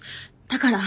だから。